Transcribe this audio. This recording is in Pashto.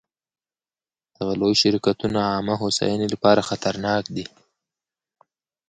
دغه لوی شرکتونه عامه هوساینې لپاره خطرناک دي.